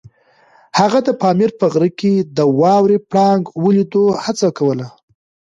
هغه د پامیر په غره کې د واورې پړانګ د لیدو هڅه کوله.